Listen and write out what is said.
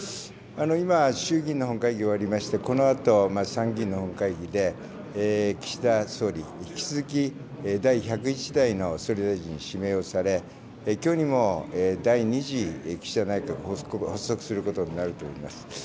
今、衆議院の本会議終わりまして、このあと参議院の本会議で岸田総理、引き続き第１０１代の総理大臣に指名をされ、きょうにも第２次岸田内閣発足することになると思います。